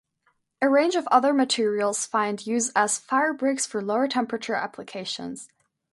A range of other materials find use as firebricks for lower temperature applications.